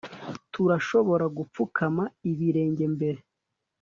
Turashobora gupfukama ibirenge mbere